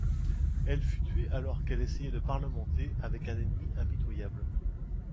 Elle fut tuée alors qu'elle essayait de parlementer avec un ennemi impitoyable.